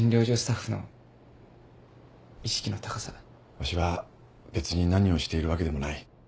わしは別に何をしているわけでもない。